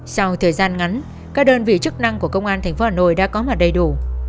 sau thời gian ngắn các đơn vị chức năng của công an tp hà nội đã có mặt đầy đủ